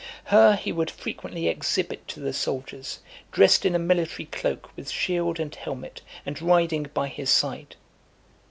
Her he would frequently exhibit to the soldiers, dressed in a military cloak, with shield and helmet, and riding by his side.